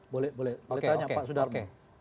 boleh tanya pak sudarmo